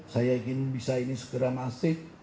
saya ingin bisa ini segera masif